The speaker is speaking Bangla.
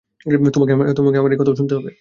তোমাকে আমার এই কথাও শুনতে হবে।